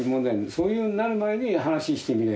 そういうふうになる前に話してみりゃいいじゃない。